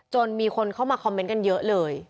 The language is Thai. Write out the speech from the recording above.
มีคนเข้ามาคอมเมนต์กันเยอะเลย